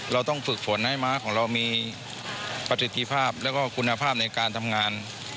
เราต้องฝึกฝนให้ม้าของเรามีประสิทธิภาพแล้วก็คุณภาพในการทำงาน